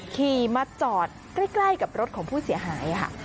ขี่มาจอดใกล้กับรถของผู้เสียหายค่ะ